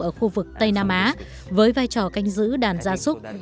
ở khu vực tây nam á với vai trò canh giữ đàn gia súc